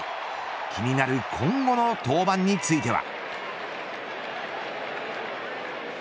気になる今後の登板については。